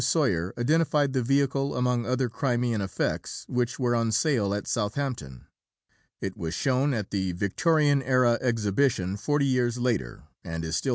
Soyer identified the vehicle among other "Crimean effects" which were on sale at Southampton. It was shown at the Victorian Era Exhibition forty years later, and is still preserved at Lea Hurst.